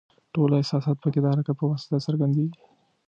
ټول احساسات پکې د حرکت په واسطه څرګندیږي.